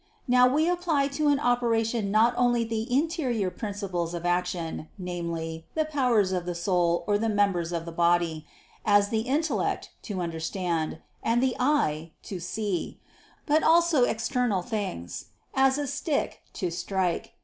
Now we apply to an operation not only the interior principles of action, viz. the powers of the soul or the members of the body; as the intellect, to understand; and the eye, to see; but also external things, as a stick, to strike.